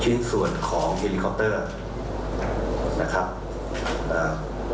ชิ้นส่วนของนะครับอ่า